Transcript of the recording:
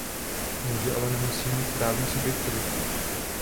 Může ale nemusí mít právní subjektivitu.